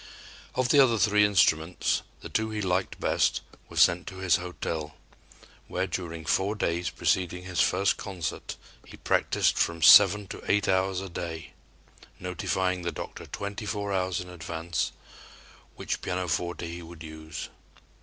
Of the other three instruments, the two he liked best were sent to his hotel, where during four days preceding his first concert, he practiced from seven to eight hours a day, notifying the "doctor" twenty four hours in advance which pianoforte he would use.